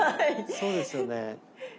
そうですよね。